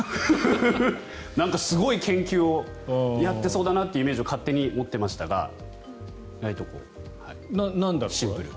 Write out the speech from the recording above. なんかすごい研究をやってそうだなってイメージを勝手に持っていましたが意外とシンプル。